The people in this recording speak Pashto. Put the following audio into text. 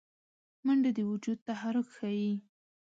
منډه د وجود تحرک ښيي